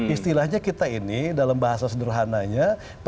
istilahnya kita ini dalam bahasa sederhananya